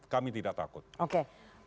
kami tidak takut oke